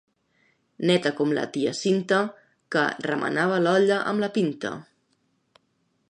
Neta com la tia Cinta, que remenava l'olla amb la pinta.